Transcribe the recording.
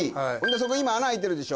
そこ今穴開いてるでしょ